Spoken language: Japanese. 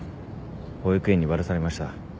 保育園にバラされました。